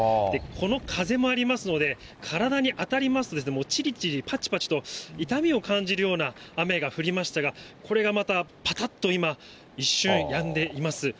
この風もありますので、体に当たりますと、もうちりちり、ぱちぱちと痛みを感じるような雨が降りましたが、これがまた、ぱたっとまた一瞬やんでいます。